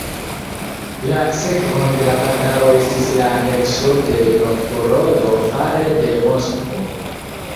La sekvon de la batalo estis la anekso de Novgorodo fare de Moskvo.